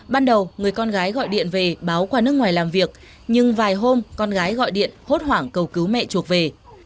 ban đầu người con gái gọi điện về báo qua nước ngoài làm việc nhưng vài hôm con gái gọi điện hốt hoảng cầu cứu mẹ chuộc về